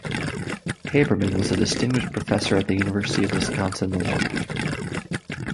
Haberman was a Distinguished Professor at the University of Wisconsin-Milwaukee.